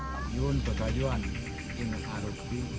kusipi ingkang mahusudji